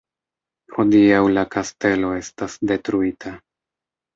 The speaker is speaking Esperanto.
Hodiaŭ la kastelo estas detruita.